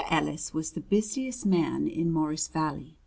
Ellis was the busiest man in Morris Valley.